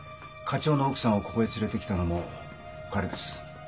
課長の奥さんをここへ連れてきたのも彼です。